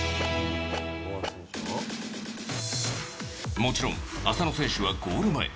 もちろん浅野選手はゴール前。